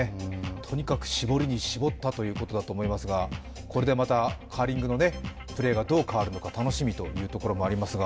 とにかく絞りに絞ったということだと思いますが、これでまたカーリングのプレーがどう変わるのか楽しみというところもありますが。